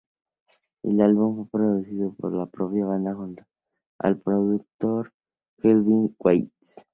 El álbum fue producido por la propia banda junto al productor Kevin Gates.